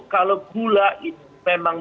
kalau gula itu memang